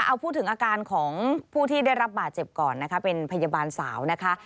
เอาพูดถึงอาการของผู้ที่ได้รับบาดเจ็บก่อนนะคะเป็นพยาบาลสาวนะคะ